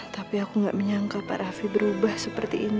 tapi aku nggak menyangka pak raffi berubah seperti ini